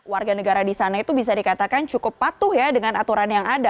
warga negara di sana itu bisa dikatakan cukup patuh ya dengan aturan yang ada